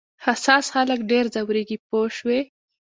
حساس خلک ډېر ځورېږي پوه شوې!.